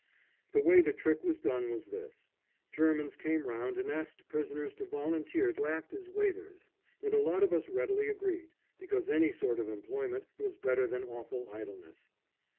The way the trick was done was this Germans came round and asked prisoners to volunteer to act as waiters, and a lot of us readily agreed, because any sort of employment was better than awful idleness.